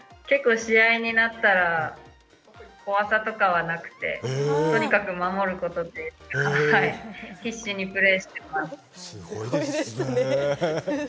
結構試合になったら怖さとかはなくてとにかく守ることで必死にプレーしてます。